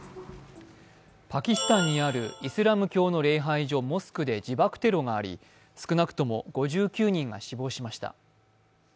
パキスタンにあるイスラム教の礼拝所モスクで自爆テロがあり、少なくとも５９人が死亡しました。